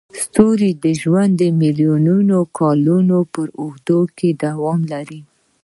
د ستوري ژوند د میلیونونو کلونو په اوږدو کې دوام لري.